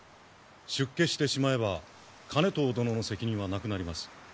出家してしまえば兼遠殿の責任はなくなります。